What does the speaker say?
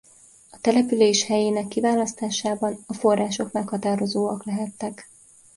A település helyének kiválasztásában a források meghatározóak lehettek.